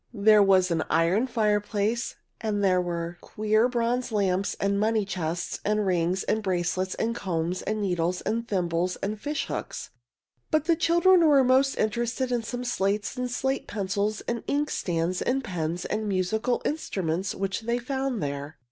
There was an iron fireplace, and there were queer bronze lamps and money chests and rings and bracelets and combs and needles and thimbles and fishhooks. But the children were most interested in some slates and slate pencils and inkstands and pens and musical instruments which they found there.